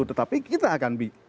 tetapi kita akan